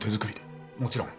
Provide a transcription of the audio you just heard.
もちろん。